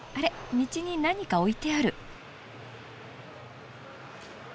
道に何か置いてある。